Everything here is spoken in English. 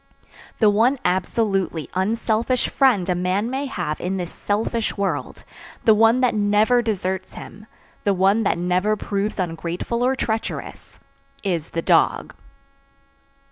The one absolutely unselfish friend a man may have in this selfish world, the one that never deserts him, the one that never proves ungrateful or treacherous, is the dog.